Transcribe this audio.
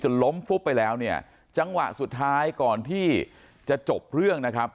ล้มฟุบไปแล้วเนี่ยจังหวะสุดท้ายก่อนที่จะจบเรื่องนะครับ